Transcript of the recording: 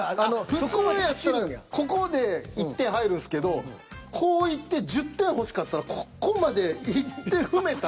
普通やったらここで１点入るんすけどこう行って１０点欲しかったらここまで行って踏めたら。